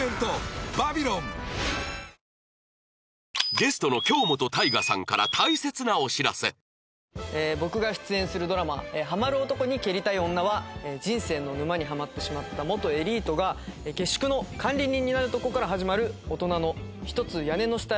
ゲストの僕が出演するドラマ『ハマる男に蹴りたい女』は人生の沼にハマってしまった元エリートが下宿の管理人になるとこから始まるオトナの一つ屋根の下ラブコメディーです。